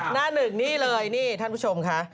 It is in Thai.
หน้าหนึ่งนี่เลยนี่ท่านผู้ชมค่ะ